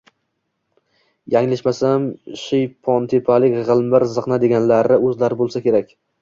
Yanglishmasam, shiydontepalik G‘ilmir ziqna deganlari o‘zlari bo‘lsalar kerak